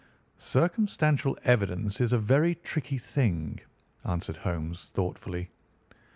"Circumstantial evidence is a very tricky thing," answered Holmes thoughtfully.